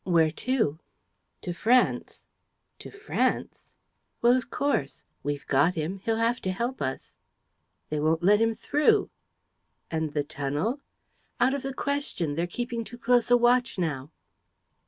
"Where to?" "To France." "To France?" "Well, of course. We've got him; he'll have to help us." "They won't let him through." "And the tunnel?" "Out of the question. They're keeping too close a watch now."